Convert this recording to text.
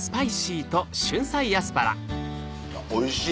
おいしい！